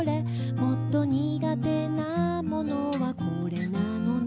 「もっと苦手なものはこれなのね」